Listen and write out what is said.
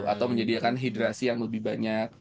atau menyediakan hidrasi yang lebih banyak